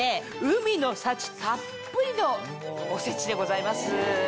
海の幸たっぷりのおせちでございます。